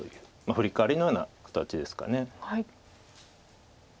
フリカワリのような形ですか。